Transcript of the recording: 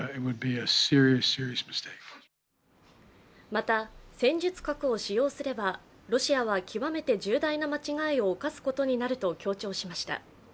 また、戦術核を使用すればロシアは極めて重大な間違いを犯すことになると強調しました。